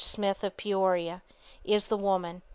Smith of Peoria, is the woman.